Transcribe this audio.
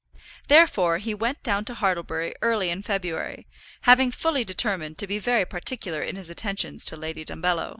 Therefore he went down to Hartlebury early in February, having fully determined to be very particular in his attentions to Lady Dumbello.